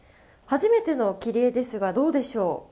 初めての切り絵ですがどうでしょう？